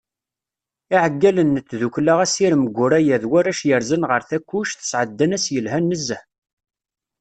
Iεeggalen n tdukkla Asirem Guraya d warrac i yerzan ɣer Takkuct, sεeddan ass yelhan nezzeh.